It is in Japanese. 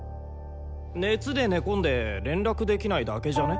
熱で寝込んで連絡できないだけじゃね？